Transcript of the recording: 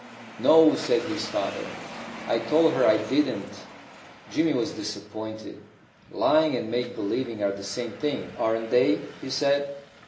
"No," said his father, "I told her I didn't." Jimmy was disappointed. "Lying and make believing are the same thing, aren't they?" he said.